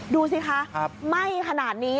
ดูสิคะไหม้ขนาดนี้